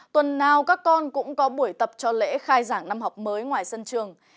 tuần nào các con cũng có buổi tập cho lễ khai giảng năm học mới ngoài sân trường